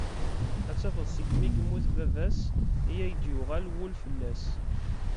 Ad tafeḍ segmi i yemmut baba-s i ay-d-yuɣal wul fall-as.